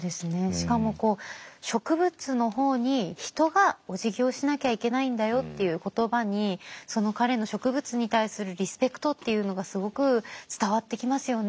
しかもこう植物の方に人がおじぎをしなきゃいけないんだよっていう言葉にその彼の植物に対するリスペクトっていうのがすごく伝わってきますよね。